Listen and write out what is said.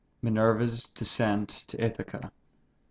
MINERVA'S DESCENT TO ITHACA.